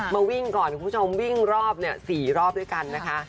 มาวิ่งก่อนคุณผู้ชมวิ่งรอบเนี่ย๔รอบด้วยกันนะคะ